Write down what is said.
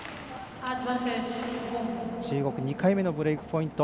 中国、２回目のブレークポイント。